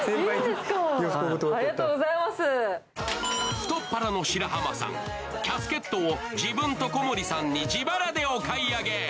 太っ腹の白濱さん、キャスケットを後輩の小森さんの分も自腹でお買い上げ。